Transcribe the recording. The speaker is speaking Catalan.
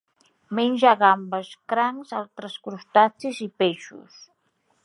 Menja gambes, crancs, altres crustacis i peixos.